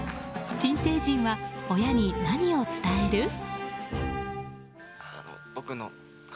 新成人は親に何を伝える？